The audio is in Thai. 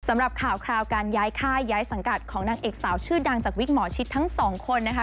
สำหรับข่าวการย้ายค่ายย้ายสังกัดของนางเอกสาวชื่อดังจากวิกหมอชิดทั้งสองคนนะคะ